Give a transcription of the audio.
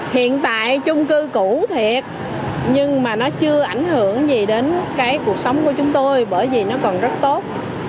hiện tại chung cư cũ thiệt nhưng mà nó chưa ảnh hưởng gì đến cái cuộc sống của chúng tôi bởi vì nó còn rất tốt